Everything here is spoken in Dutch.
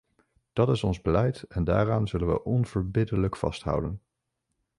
Dat is ons beleid en daaraan zullen we onverbiddelijk vasthouden.